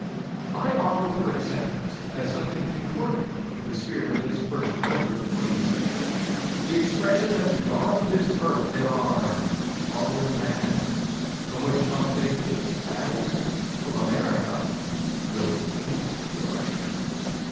I offer for acceptance, as something concordant with the spirit of this first quarter of the 20th century, the expression that beyond this earth are other lands from which come things as, from America, float things to Europe.